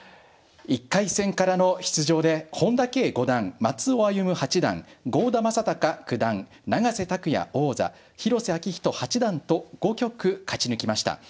１回戦からの出場で本田奎五段松尾歩八段郷田真隆九段永瀬拓矢王座広瀬章人八段と５局勝ち抜きました。